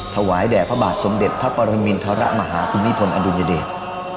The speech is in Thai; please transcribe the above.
ถวายแด่พระบาทสมเด็จพระปรมิณฑาระมหาคุณมิพลอันดุลยเดช